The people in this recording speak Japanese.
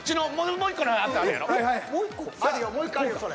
もう１個あるよそれ。